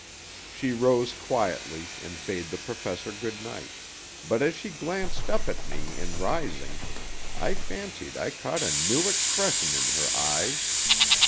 She rose quietly and bade the Professor good night; but as she glanced up at me, in rising, I fancied I caught a new expression in her eyes.